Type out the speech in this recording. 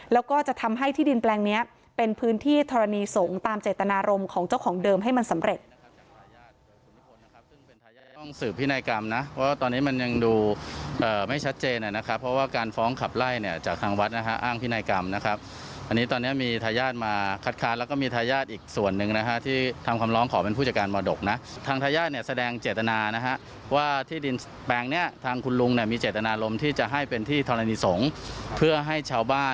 แล้วก็จะทำให้ที่ดินแปลงนี้เป็นพื้นที่ธรณีสงฆ์ตามเจตนารมณ์ของเจ้าของเดิมให้มันสำเร็จ